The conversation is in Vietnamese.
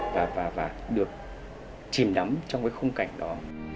và được chìm nắm trong cái khung cảnh đó